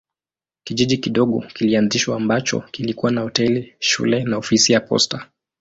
Kijiji kidogo kilianzishwa ambacho kilikuwa na hoteli, shule na ofisi ya posta.